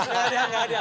gak ada gak ada